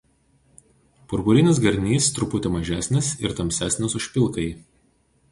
Purpurinis garnys truputį mažesnis ir tamsesnis už pilkąjį.